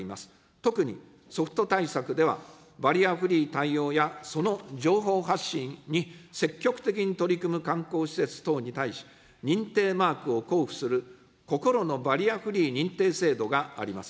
特にソフト対策では、バリアフリー対応やその情報発信に積極的に取り組む観光施設等に対し、認定マークを交付する心のバリアフリー認定制度があります。